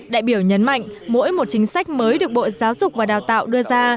đại biểu nhấn mạnh mỗi một chính sách mới được bộ giáo dục và đào tạo đưa ra